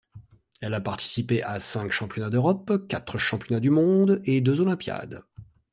Elle a participé à cinq championnats d'Europe, quatre championnats du monde et deux olympiades.